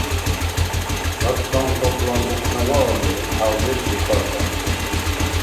Арсланкъаплан бухънабаалли, хӀявбецӀ дукаркӀар.